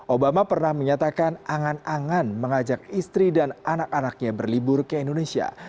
obama pernah menyatakan angan angan mengajak istri dan anak anaknya berlibur ke indonesia